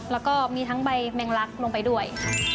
แล้วก็มีทั้งใบแมงลักลงไปด้วย